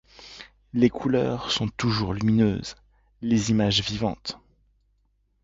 Les couleurs sont toujours lumineuses, les images vivantes.